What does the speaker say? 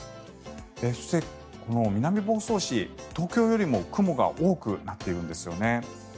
そして、南房総市、東京よりも雲が多くなっているんですよね。